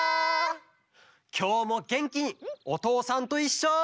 きょうもげんきに「おとうさんといっしょ」。